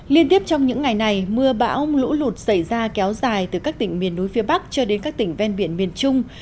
liên tiếp trong những ngày này mưa bão lũ lụt xảy ra kéo dài từ các tỉnh miền núi phía bắc cho đến các tỉnh ven biển miền trung